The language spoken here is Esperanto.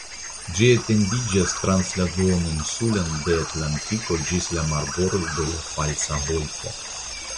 Ĝi etendiĝas trans la duoninsulon de Atlantiko ĝis la marbordoj de Falsa Golfo.